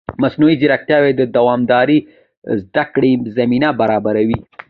مصنوعي ځیرکتیا د دوامدارې زده کړې زمینه برابروي.